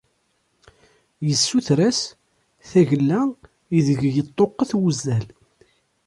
Yessuter-as tagella ideg yeṭṭuqqet wuzzal.